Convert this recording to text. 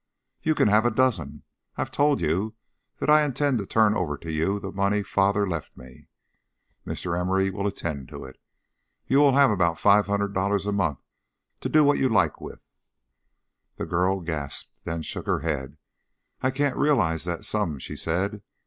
"You can have a dozen. I've told you that I intend to turn over to you the money father left me. Mr. Emory will attend to it. You will have about five hundred dollars a month to do what you like with." The girl gasped, then shook her head. "I can't realize that sum," she said.